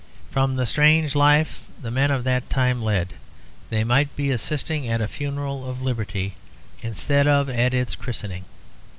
From the strange life the men of that time led, they might be assisting at the funeral of liberty instead of at its christening.